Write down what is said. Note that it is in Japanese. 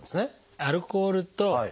「アルコール」と「胆石」